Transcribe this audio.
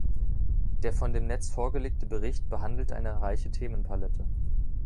Der von dem Netz vorgelegte Bericht behandelt eine reiche Themenpalette.